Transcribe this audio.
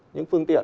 những phương tiện